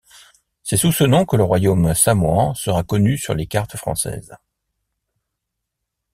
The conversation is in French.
C'est sous ce nom que le royaume samoan sera connu sur les cartes françaises.